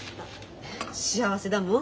幸せだもん。